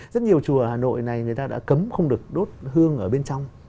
rất nhiều chùa hà nội này người ta đã cấm không được đốt hương ở bên trong